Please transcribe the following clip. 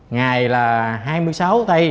ngày là hai mươi sáu tây